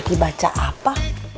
adi baca apa